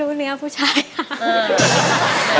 ถูกไหมร้องถูกไหมฮะ